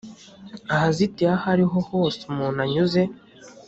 ahazitiye aho ari ho hose umuntu anyuze